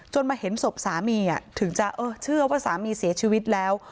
มาเห็นศพสามีถึงจะเชื่อว่าสามีเสียชีวิตแล้ว